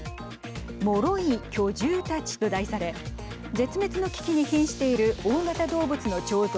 もろい巨獣たちと題され絶滅の危機にひんしている大型動物の彫像